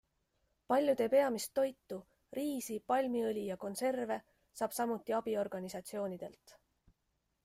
Paljude peamist toitu - riisi, palmiõli ja konserve - saab samuti abiorganisatsioonidelt.